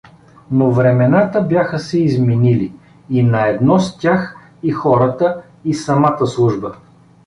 Но времената бяха се изменили и наедно с тях и хората, и самата служба.